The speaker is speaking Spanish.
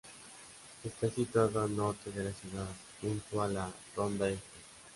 Está situado al norte de la ciudad, junto a la Ronda Este.